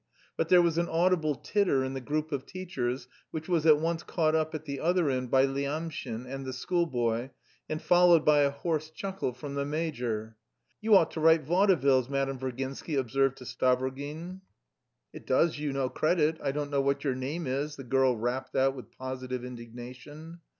But there was an audible titter in the group of teachers, which was at once caught up at the other end by Lyamshin and the schoolboy and followed by a hoarse chuckle from the major. "You ought to write vaudevilles," Madame Virginsky observed to Stavrogin. "It does you no credit, I don't know what your name is," the girl rapped out with positive indignation.